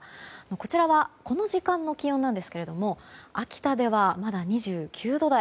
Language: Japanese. こちらは、この時間の気温ですが秋田ではまだ２９度台。